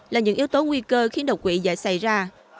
là những yếu tố nguy cơ khiến độc quỷ dễ xảy ra